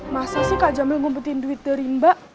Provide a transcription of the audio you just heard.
masa sih kak jamil ngumpetin duit dari mbak